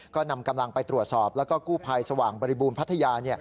ก็นำกำลังไปตรวจสอบแล้วก็กู้ภัยสว่างบริบูรณพัทยา